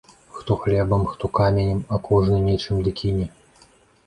Хто хлебам, хто каменнем, а кожны нечым ды кіне.